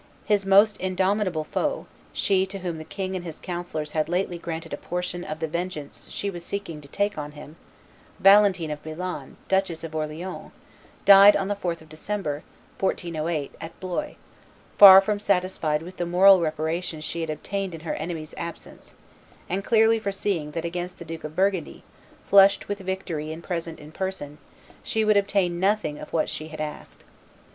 His most indomitable foe, she to whom the king and his councillors had lately granted a portion of the vengeance she was seeking to take on him, Valentine of Milan, Duchess of Orleans, died on the 4th of December, 1408, at Blois, far from satisfied with the moral reparation she had obtained in her enemy's absence, and clearly foreseeing that against the Duke of Burgundy, flushed with victory and present in person, she would obtain nothing of what she had asked.